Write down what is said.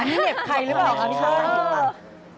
อันนี้เหน็บใครหรือเปล่าคุณพ่อ